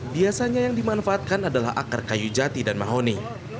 biasanya yang dimanfaatkan adalah akar kayu jati dan mahoni